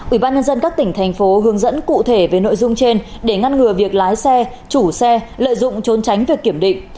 ủy ban nhân dân các tỉnh thành phố hướng dẫn cụ thể về nội dung trên để ngăn ngừa việc lái xe chủ xe lợi dụng trốn tránh việc kiểm định